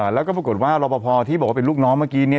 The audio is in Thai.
แล้วก็ปรากฏว่ารอปภที่บอกว่าเป็นลูกน้องเมื่อกี้เนี่ย